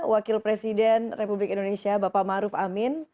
wakil presiden republik indonesia bapak maruf amin